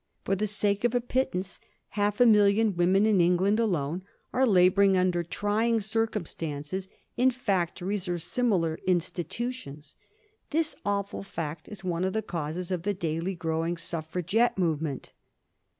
For the sake of a pittance, half a million women in England alone are labouring under trying circumstances in factories or similar institutions. This awful fact is one of the causes of the daily growing suffragette movement.